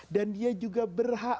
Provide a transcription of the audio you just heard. dan dia juga berhak